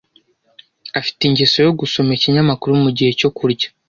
Afite ingeso yo gusoma ikinyamakuru mugihe cyo kurya.